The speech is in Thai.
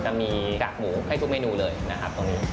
จะมีกากหมูให้ทุกเมนูเลยนะครับตรงนี้